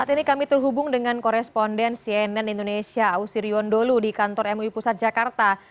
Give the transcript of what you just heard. saat ini kami terhubung dengan koresponden cnn indonesia ausi riondolu di kantor mui pusat jakarta